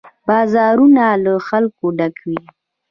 بازارونه له خلکو ډک وي.